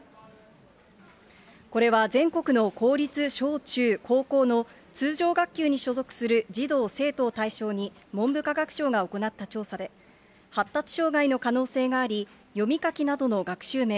これは全国の公立小中高校の通常学級に所属する児童・生徒を対象に、文部科学省が行った調査で、発達障害の可能性があり、読み書きなどの学習面、